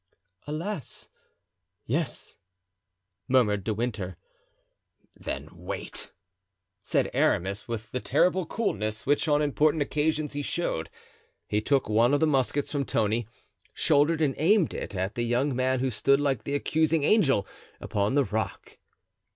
"Alas, yes," murmured De Winter. "Then wait," said Aramis; and with the terrible coolness which on important occasions he showed, he took one of the muskets from Tony, shouldered and aimed it at the young man, who stood, like the accusing angel, upon the rock.